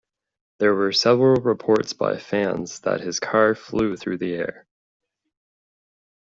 There were several reports by fans that his car flew through the air.